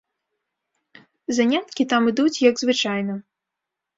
Заняткі там ідуць як звычайна.